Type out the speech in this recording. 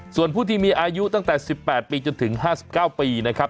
ส่วนผู้ที่มีอายุตั้งแต่๑๘ปีจนถึง๕๙ปีนะครับ